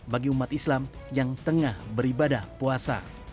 bagi umat islam yang tengah beribadah puasa